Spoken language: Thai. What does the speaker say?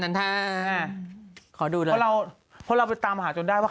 หนูก็ไปสืบมาจนเจอพี่